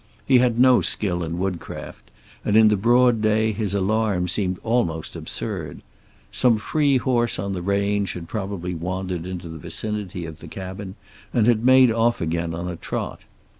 He had no skill in woodcraft, and in the broad day his alarm seemed almost absurd. Some free horse on the range had probably wandered into the vicinity of the cabin, and had made off again on a trot.